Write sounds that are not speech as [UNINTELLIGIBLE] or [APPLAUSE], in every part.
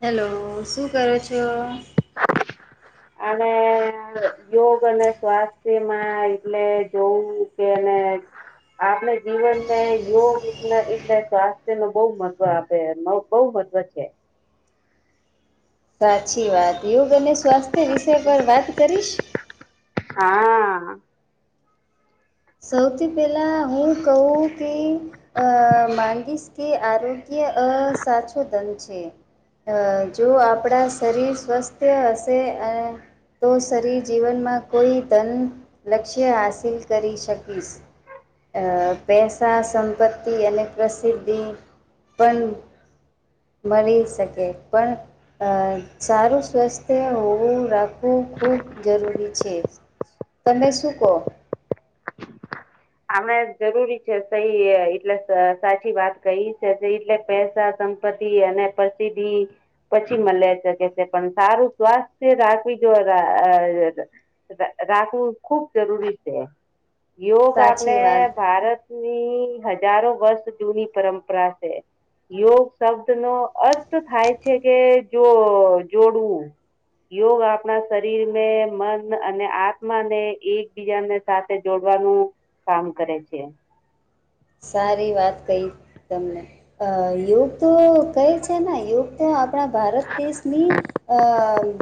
Hello શું કરો છો. અને યોગ અને સ્વાસ્થ્યમાં એટલે જોવું કે એન હે. આપણે જીવનને યોગ એટલે એટલે સ્વાસ્થ્ય ને બહુ મહત્વ આપે મ બહુ. ત્વ‌ છે. સાચી વાત યોગ અને સ્વાસ્થ્ય વિષય પર વાત કરીશ. હા. સૌથી પહેલા હું કહું કે અ માંગીશ કે આરોગ્ય. અ સાચો ધન છે. અ જો આપણા શરીર સ્વસ્થ હશે અ તો શરીર જીવનમાં કોઈ ધન લક્ષ્ય હાસિલ કરી શકીશ. અ પેસા, સંપત્તિ, અને પ્રસિદ્ધિ પણ. મળી શકે પણ અ સારું સ્વસ્થ્ય હોવું રાખ ખું ખૂબ જરૂરી છે તમે શું કહો. આમે જરૂરી છે સઈ એટલે સાચી વાત કહી છે એટલે પેસા સંપતિ અને પ્રસિદધિ પછી મળે શકે છે પણ સારું સ્વાસ્થ્ય રાખવી તો અ આ ર રાખવું ખુબ જરૂરી છે. [INAUDIBLE] યોગ આપણે સાચી વાત ભારતની હજારો વર્ષ જૂની પરંપરા છે. યોગ શબ્દ નો અર્થ થાય છે કે જો જોડવું. યોગ આપણા શરીર ને મન અને આત્મા ને એકબીજાને સાથે જોડ વાનું કામ કરે છે. સારી વાત કઈ તમને અ યોગ તો કહે છે ને યોગ તો. આપણા ભારત દેશની અ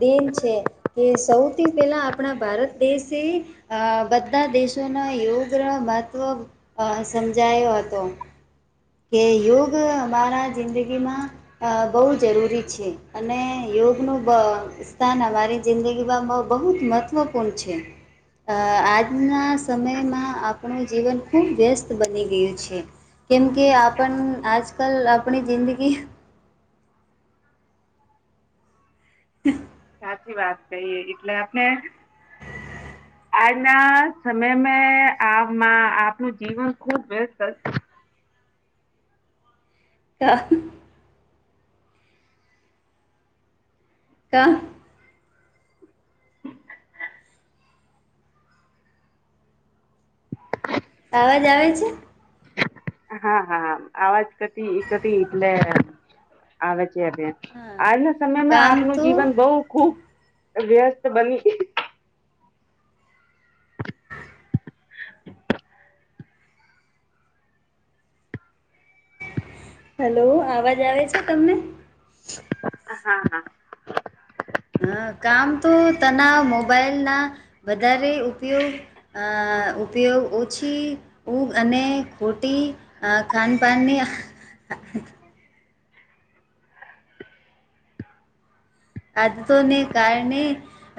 દેન છે કે સૌથી પહેલા આપણા ભારત દેશે બધા દેશોના યોગ રા મહત્વ સમ જાયો હતો. કે યોગ અમારા જિંદગીમાં બહુ જરૂરી છે અને યો ગ નું સ્થાન અમારી જિંદગીમાં બહુ જ મહત્ત્વપૂર્ણ છે. અ આજના સમયમાં આપણું જીવન ખુબ વ્યસ્ત બની ગયું છે. કેમ કે આપણ આજ કલ આપણી જિંદગી. સાચી વાત કઈ એટલે આપણે. [INAUDIBLE] આજના સમય મે આમાં આપનું જીવન ખુબ વ્યસ્ત. હા. કા. [INAUDIBLE] અવાજ આવે છે હા હા આવાજ કરતી એક હતી એટલે આવે છે બેન હા આજના સમયમાં કામ આપણું તો જીવન બહું ખુબ વ્યસ્ત બની [INAUDIBLE] હેલો અવાજ આવે છે તમને હા હા અ કામ તો તના મોબાઈલના વધારે ઉપયોગ અ અ ઉપયોગ ઓછી ઉગ અને ખોટી અ ખાનપાનની હા આદતોને કારણે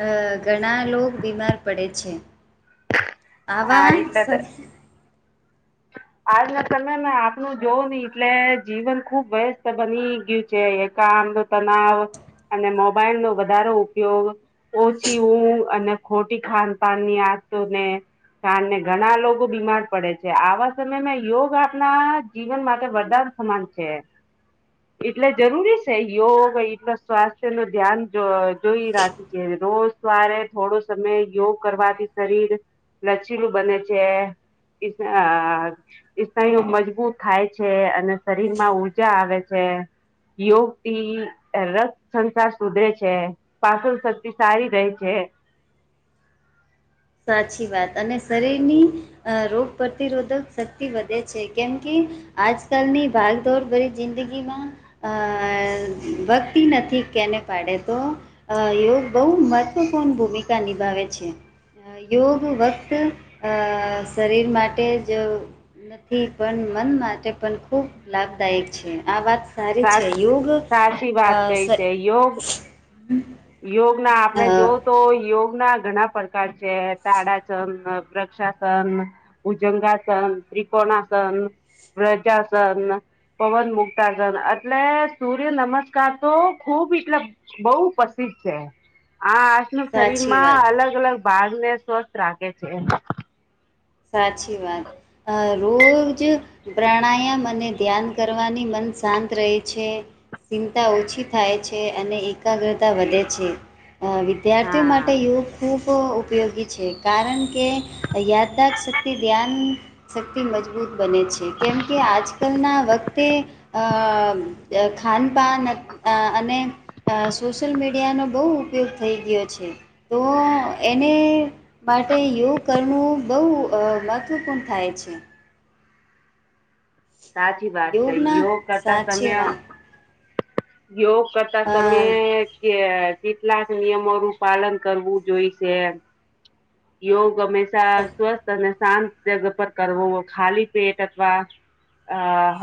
અ ઘણા લોક બીમાર પડે છે હા આવા એટલે શ હ [INAUDIBLE] આજના સમયમાં આપણું જોવું ને એટલે જીવન ખુબ વ્યસ્ત બની ગ્યું છે એકા નો તણાવ અને મોબાઈલ નો વધારો ઉપયોગ ઓછી ઊંઘ અને ખોટી ખાનપાન ની આ દતોને કારણને ઘણા લોકો બીમાર પડે છે આવા સમયમાં યોગ આપણા જીવન માટે વરદાન સમાન છે એટલે જરૂરી સે યોગ એટલે સ્વાસ્થ્યનું ધ્યાન જો જોઈ રાખે જે રોજ સવારે થોડો સમય યોગ કરવાથી શરીર લચીલું બને છે આ સ્નાયુઓ મજબૂત થાય છે અને શરીરમાં ઉર્જા આવે છે યોગથી રથ સંસાર સુધરે છે પાચન શક્તિ સારી રહે છે [INAUDIBLE] સાચી વાત અને શરીરની અ રોગપ્રતિરોધક શક્તિ વધે છે કેમ કે આજકાલની ભાગદોડ ભરી જિંદગીમાં અ વગતી નથી કેને પાડે તો અ યોગ બહુ મહત્વપૂર્ણ ભૂમિકા નિભાવે છે યોગ વત શરીર માટે જો નથી પણ મન માટે પણ ખૂબ લાભદાયક છે આ વાત સારી છે સાવ યોગ અ સાચી વાત સ કઈ છે યોગ યોગ ના અ આપણે જો તો યોગ ના ઘણા પ્રકાર છે તાડાસન વૃક્ષાસન ભૂજંગાસન ત્રિકોણાસન વ્રજાસન પવન મુક્તાસન એટલે સૂર્ય નમસ્કાર તો ખુબ ખૂબ એટલે બહુ પ્રસિદ્ધ છે આ આસન નું સાચી શરીરમાં વાત અલગ અલગ ભાગને સ્વસ્થ રાખે છે સાચી વાત અ રોજ પ્રાણાયામ અને ધ્યાન કરવાથી મન શાંત રહે છે ચિંતા ઓછી થાય છે અને એકાગ્રતા વધે છે વિદ્યાર્થીઓ માટે હા યોગ ખૂબ ઉપયોગી છે કારણ કે યા યથાશક્તિ ધ્યાનશક્તિ મજબૂત બને છે કેમ કે આજકાલના વખ તે અ અ ખાન પાન અને સોશિયલ મીડિયાનો બહુ ઉપયોગ થઈ ગયો છે તો એને માટે યોગ કરવું, બહુ અ મહત્ત્વપૂર્ણ થાય છે. સાચી વાત કઈ યોગના યોગ કરતા સાચી સમય વાત યોગ કરતા અ, સમય કે કેટલાક નિયમોનું પાલન કરવું જોઈ છે યોગ હમેશા છા સ- સ્વસ્થ અને શાંત જગ પર કરવો, હોય ખાલી પેટ અથવા અ હ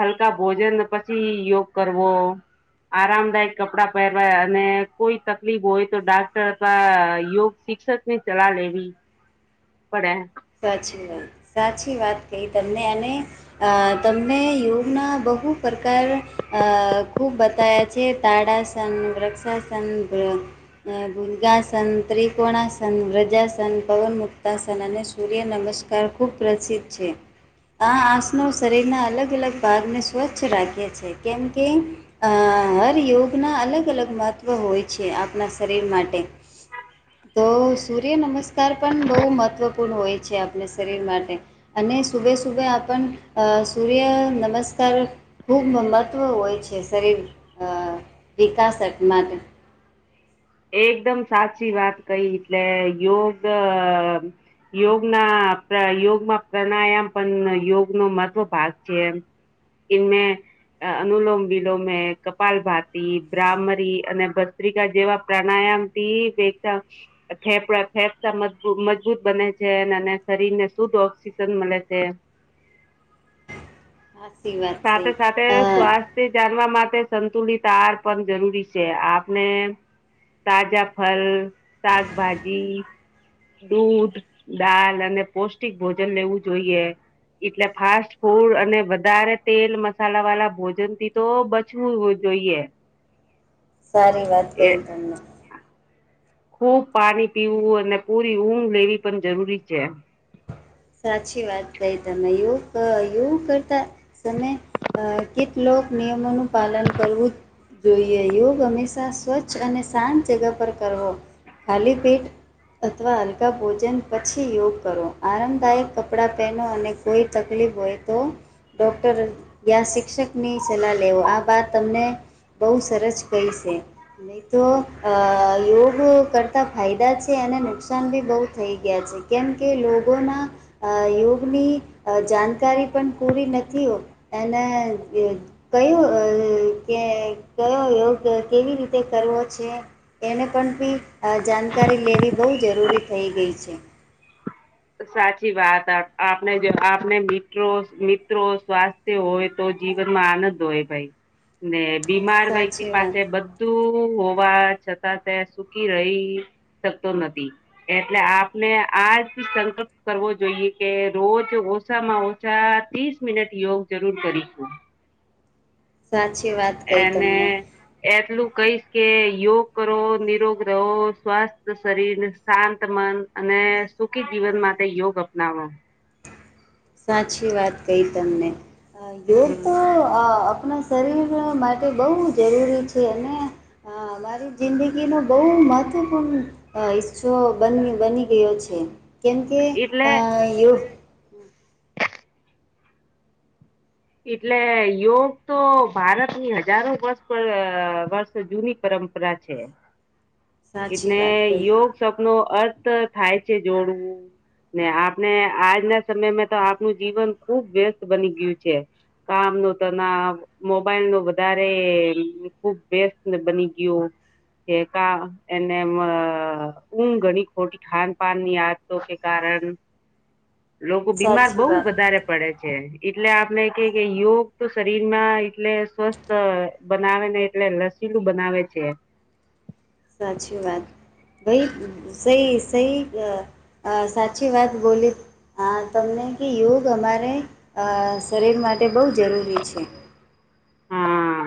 હલકા ભોજન પછી યોગ કરવો. આરામદાયક કપડા પહેરવાય અને કોઈ તકલીફ હોય તો ડાક્ટર અથવા યોગ શિક્ષક ની ચલાહ લેવી પડે સાચી વાત સાચી વાત કઈ તમને આ તમને યોગના બ બહુ પ્રકાર ખૂબ બતાયા છે. તાડાસન, વૃક્ષાસન ભુર્ગાસન, ત્રિકોણાસન, વ્રજાસન, પવન મુક્તાસન અને સૂર્ય નમસ્કાર ખૂબ પ્રસિદ્ધ છે. આ આસનો શરીરના અલગ અલગ ભાગને સ્વચ્છ રાખે છે. કેમ કે હર યોગના અલગ અલગ મહત્ત્વ હોય છે, આપણા શરીર માટે. તો સૂર્ય નમસ્કાર પણ બહું મહત્વ પૂણ હોય છે, આપણે શરીર માટે અને સુભે સુભે આપણ સૂર્ય નમસ્કાર સર ખૂબ મહત્ત્વ હોય છે, શરીર વિકાસ માટે. એકદમ સાચી વાત કઈ એટલે યોગ, યોગના યોગમાં પ્રાણાયામ પણ યોગનો માટો ભાગ છે. એમ ઇનમેં અનુલોમ વિલોમે, કપાલ ભારતી, બ્રાહ્મરી અને ભસ્ત્રિકા જેવા પ્રાણાયામ થી ફેફડા ફેફતા મજબૂત બને છે. શરીર ને શુદ્ધ ઓક્સિજન મળે છે. [UNINTELLIGIBLE] સાચી વાત સહી સાથે સાથે અ સ્વાસ્થ્ય જાણવા માટે સંતુલિત આર પણ જરૂરી છે, આપને તાજા ફલ, શાકભાજી દૂધ દાલ અને પૌષ્ટિક ભોજન લેવું જોઈએ. એટલે ફાસ્ટ ફૂડ અને વધારે તેલ મસાલા વાળા ભોજન થી તો બચવું જોઈએ. સારી વાત એ કહી તમે. ખૂબ પાણી પીવું અને પૂરી ઊંઘ લેવી પણ જરૂરી છે. સાચી વાત કઈ તમેયોગ યોગ કરતા તમે કેટલો ક નિયમોનું પાલન કરવું જ જોઈએ યોગ હંમેશા સ્વચ્છ અને શાંત જગા પર કરવો ખાલી પેટ અથવા હલકા ભોજન પછી યોગ કરો આરંમ દાયક કપડાં પહેનો અને કોઈ તકલીફ હોય તો ડોક્ટર યા શિક્ષક ની સલાહ લેવો. આ બાત તમને બહુ સરસ કહી છે, નહી તો અ યોગ કરતા ફાયદા છે. તેને નુકસાન બી બહુ થઈ ગયા છે. કેમ કે લોકોના યોગની જાણકારી પણ પૂરી નથી હોત અને કયું કે કયો યોગ કેવી રીતે કરવો છે, એને પણ પણ બી જાણકારી લેવી બહુ જરૂરી થઈ ગઈ છે. સાચી વાત આપણે જો આપને મ્રો મિત્રો સ્વાસ્થ્ય હોય તો જીવનમાં આનંદ હોય, ભાઈ ને બીમાર વ્યક્તિ સાચી વાત પાસે બધું હોવા છતાં તે સુકી રહી શકતો નથી, એટલે આપને આજ સંકલ્પ કરવો જોઈએ કે રોજ ઓછામાં ઓછા ત્રીસ મિનિટ યોગ જરૂર કરે. સાચ એને એક એટલું કહીશ કે યોગ કરો, નિરોગ રહો, સ્વાસ્થ શરીર, શાંત મન અને સુખી જીવન માટે યોગ અપનાવો. સાચી વાત કઈ તમને યોગ તો હમ આપણા શરીર માટે બહુ જરૂરી છે, અને અ મારી જિંદગીનો બહુ મહત્વપૂર્ણ હિસ્સો બન બની ગયો છે. કેમ કે એટલે અ યોગ એટલે યોગ તો ભારતની હજારો વર્ષ વર્ષ જૂની પર પરંપરા છે. હમ્મ. એટલે યોગ સપનો અર્થ થાય છે જોડવું. ને આપણે આજના સમયમાં તો આપનું જીવન ખુબ વ્યસ્ત બની ગયું છે. કામ ન તના મોબાઈલ નું વધારે ખુબ બેસ્ટ બની ગયું. તો. કે ક એને ઊઘ ઘણી ખોટી ખાન પાાન ની આદ તો કે કારણ હમ્મ. [UNINTELLIGIBLE] લોકો બીમાર સાચી બહુ વાત વધારે પડે છે એટલે આપણને કે યોગ તો શરીર માં એટલે સ્વસ્થ બનાવે ને એટલે લસીલું બનાવે છે. [UNINTELLIGIBLE] સાચી વાત ભાઈ સહી સહી સાચી વાત બોલી. હ તમને કે યોગ અમારે શરીર માટે બહુ જરૂરી છે. હા